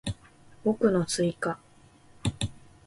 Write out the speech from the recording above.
語句の追加